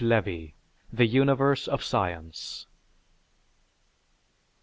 Levy: "The Universe of Science."